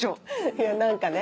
いや何かね